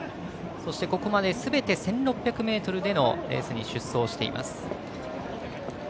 そして、ここまですべて１６００ｍでのレースに出走しています。